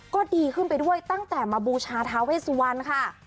ก็ดีขึ้นไปด้วยตั้งแต่มาบูชาทาเวสวันค่ะ